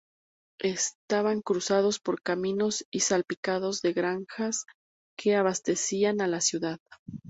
Estaban cruzados por caminos y salpicados de granjas que abastecían a la ciudad.